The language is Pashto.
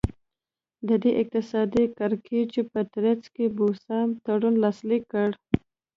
د دې اقتصادي کړکېچ په ترڅ کې بوسیا تړون لاسلیک کړ.